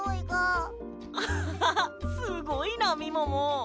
アッハハすごいなみもも。